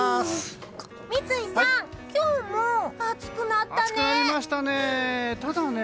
三井さん、今日も暑くなったね。